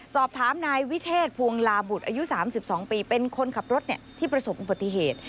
สอบถามนายวิเชษภวงลาบุตรอายุ๓๒ปีเป็นคนขับรถที่ประสบอุบัติเหตุ